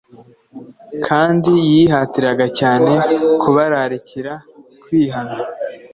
kandi yihatiraga cyane kubararikira kwihana.